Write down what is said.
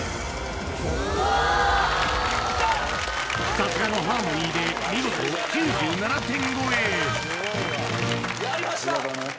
さすがのハーモニーで見事９７点超えやりました！